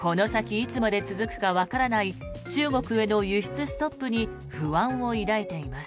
いつまで続くかわからない中国への輸出ストップに不安を抱いています。